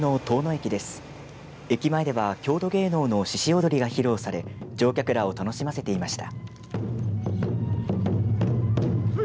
駅前では郷土芸能の獅子踊りが披露され乗客らを楽しませていました。